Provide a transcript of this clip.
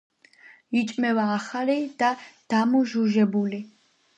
იჭმევა ახალი და დამუჟუჟებული.